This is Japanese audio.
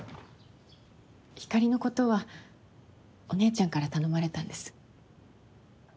ひかりのことはお姉ちゃんから頼まれたんです。